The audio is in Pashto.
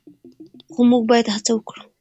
خو موږ باید هڅه وکړو.